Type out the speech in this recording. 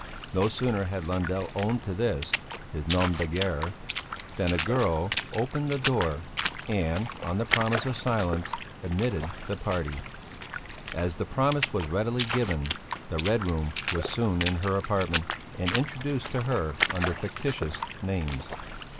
No sooner had Lundell owned to this, his nom de guerre, than a girl opened the door and, on the promise of silence, admitted the party. As the promise was readily given, the Red Room was soon in her apartment, and introduced to her under fictitious names.